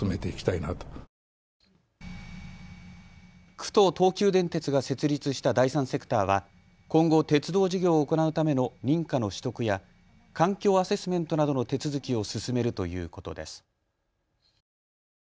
区と東急電鉄が設立した第三セクターは今後、鉄道事業を行うための認可の取得や環境アセスメントなどの手続きを進めるということです。